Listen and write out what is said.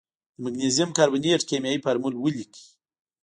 د مګنیزیم کاربونیټ کیمیاوي فورمول ولیکئ.